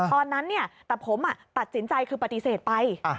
ตอนนั้นแต่ผมตัดสินใจคือปฏิเสธไป